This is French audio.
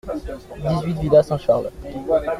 dix-huit villa Saint-Charles